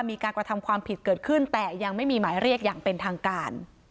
มีการกระทำความผิดเกิดขึ้นแต่ยังไม่มีหมายเรียกอย่างเป็นทางการ